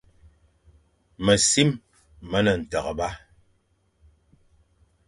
Mesim me ne nteghba.